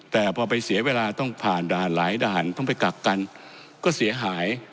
แต่พอไปเสียเวลาต้องผ่านด่านหลายด่านต้องไปกักกันก็เสียหาย